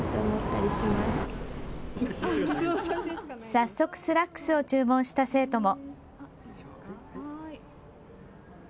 早速スラックスを注文した生徒も。